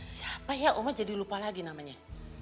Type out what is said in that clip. siapa ya umat jadi lupa lagi namanya